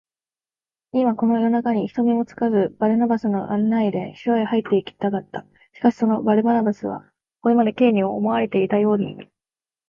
今、この夜なかに、人目にもつかず、バルナバスの案内で城へ入っていきたかった。しかし、そのバルナバスは、これまで Ｋ に思われていたように、